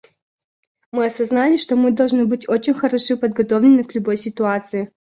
Мы осознали, что мы должны быть очень хорошо подготовлены к любой ситуации.